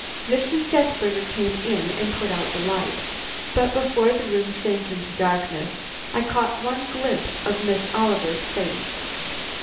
Mrs. Desberger came in and put out the light, but before the room sank into darkness I caught one glimpse of Miss Oliver's face.